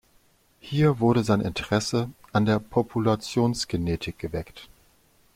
Hier wurde sein Interesse an der Populationsgenetik geweckt.